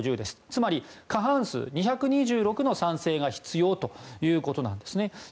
つまり、過半数、２２６の賛成が必要ということです。